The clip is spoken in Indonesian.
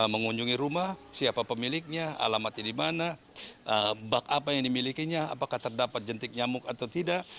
mengunjungi rumah siapa pemiliknya alamatnya di mana bak apa yang dimilikinya apakah terdapat jentik nyamuk atau tidak